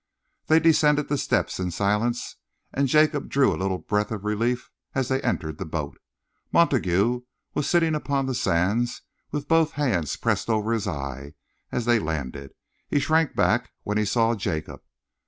They descended the steps in silence, and Jacob drew a little breath of relief as they entered the boat. Montague was sitting upon the sands with both hands pressed over his eye, as they landed. He shrank back when he saw Jacob.